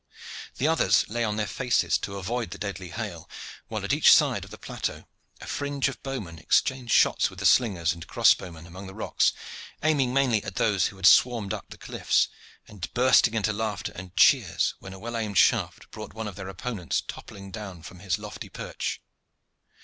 The others lay on their faces to avoid the deadly hail, while at each side of the plateau a fringe of bowmen exchanged shots with the slingers and crossbowmen among the rocks, aiming mainly at those who had swarmed up the cliffs, and bursting into laughter and cheers when a well aimed shaft brought one of their opponents toppling down from his lofty perch.